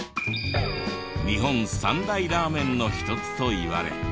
日本三大ラーメンの一つといわれ。